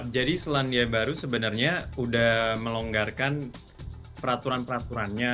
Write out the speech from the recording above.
jadi selandia baru sebenarnya udah melonggarkan peraturan peraturannya